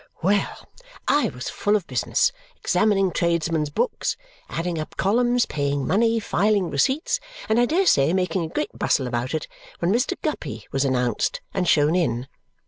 Well! I was full of business, examining tradesmen's books, adding up columns, paying money, filing receipts, and I dare say making a great bustle about it when Mr. Guppy was announced and shown in.